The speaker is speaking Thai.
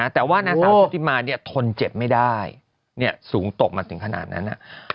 แต่ว่านางสาวชุติมาทนเจ็บไม่ได้สูงตกมาถึงขนาดนั้น